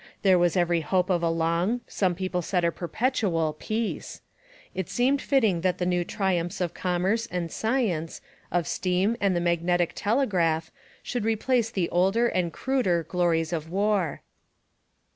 There was every hope of a long, some people said a perpetual, peace: it seemed fitting that the new triumphs of commerce and science, of steam and the magnetic telegraph, should replace the older and cruder glories of war.